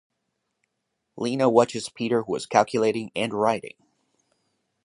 Lena watches Peter who is calculating and writing.